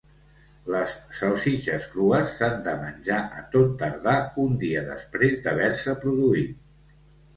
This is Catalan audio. Les salsitxes crues s'han de menjar a tot tardar un dia després d'haver-se produït.